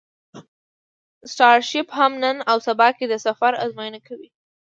سټارشیپ هم نن او سبا کې د سفر ازموینه کوي.